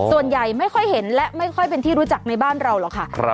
ส่วนใหญ่ไม่ค่อยเห็นและไม่ค่อยเป็นที่รู้จักในบ้านเราหรอกค่ะ